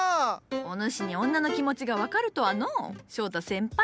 お主に女の気持ちが分かるとはのう翔太先輩。